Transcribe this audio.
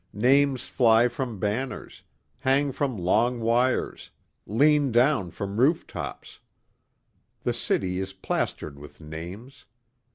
Names fly from banners, hang from long wires, lean down from rooftops. The city is plastered with names.